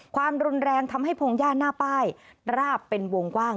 ความรุนแรงทำให้พงหญ้าหน้าป้ายราบเป็นวงกว้าง